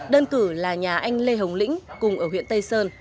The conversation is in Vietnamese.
đơn cử là nhà anh lê hồng lĩnh cùng ở huyện tây sơn